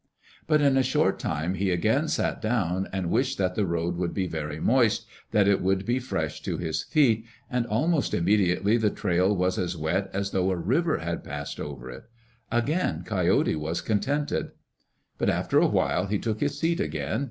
But in a short time he again sat down and wished that the road could be very moist, that it would be fresh to his feet, and almost immediately the trail was as wet as though a river had passed over it. Again Coyote was contented. But after a while he took his seat again.